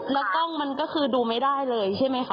แล้วกล้องมันก็คือดูไม่ได้เลยใช่ไหมคะ